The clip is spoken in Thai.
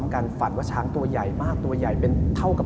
ค่ะที่แอบแบ็ค